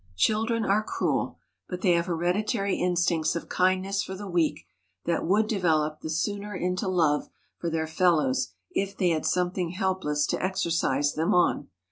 Children are cruel. But they have hereditary instincts of kindness for the weak that would develop the sooner into love for their fellows if they had something helpless to exercise them on.